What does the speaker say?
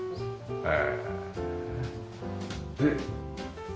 はい。